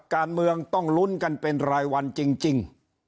การเมืองต้องลุ้นกันเป็นรายวันจริง